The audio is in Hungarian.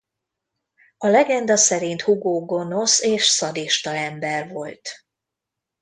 A legenda szerint Hugo gonosz és szadista ember volt.